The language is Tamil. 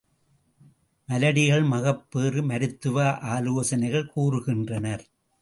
மலடிகள் மகப் பேறு மருத்துவ ஆலோசனைகள் கூறுகின்றனர்.